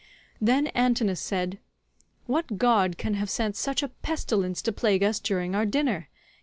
Then Antinous said, "What god can have sent such a pestilence to plague us during our dinner?